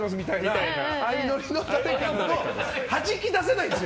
はじき出せないですよ！